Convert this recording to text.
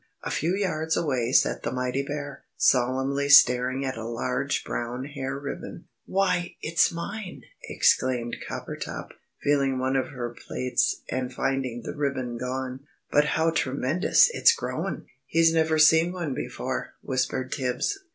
A few yards away sat the mighty bear, solemnly staring at a large brown hair ribbon. "Why, it's mine!" exclaimed Coppertop, feeling one of her plaits and finding the ribbon gone; "but how tremendous it's grown!" "He's never seen one before," whispered Tibbs.